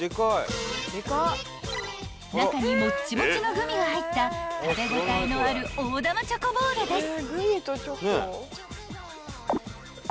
［中にもっちもちのグミが入った食べ応えのある大玉チョコボールです］